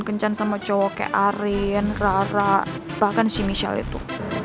kencan sama cowok kayak arin rara bahkan si michelle itu